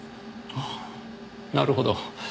ああなるほど。